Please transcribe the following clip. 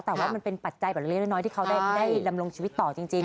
แต่ว่ามันเป็นปัจจัยแบบเล็กน้อยที่เขาได้ดำรงชีวิตต่อจริง